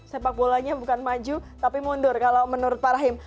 sepak bolanya bukan maju tapi mundur kalau menurut pak rahim